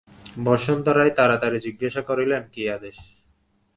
বসন্ত রায় তাড়াতাড়ি জিজ্ঞাসা করিলেন, কী আদেশ?